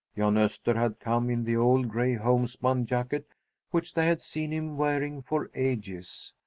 Jan Öster had come in the old gray homespun jacket which they had seen him wearing for ages.